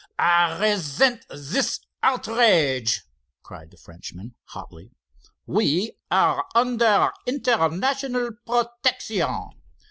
"I resent this outrage!" cried the Frenchman, hotly. "We are under international protection.